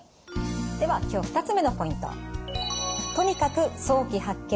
では今日２つ目のポイント。